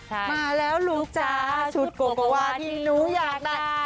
มาแล้วลูกจ้าชุดโกโกวาที่หนูอยากได้